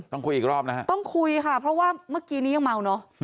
ต้องคุยอีกรอบนะฮะต้องคุยค่ะเพราะว่าเมื่อกี้นี้ยังเมาเนอะ